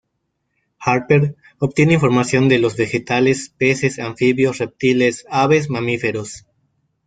Harper obtiene información de los vegetales, peces, anfibios, reptiles, aves, mamíferos.